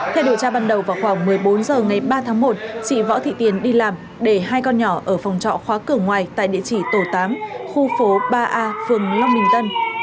theo điều tra ban đầu vào khoảng một mươi bốn h ngày ba tháng một chị võ thị tiền đi làm để hai con nhỏ ở phòng trọ khóa cửa ngoài tại địa chỉ tổ tám khu phố ba a phường long bình tân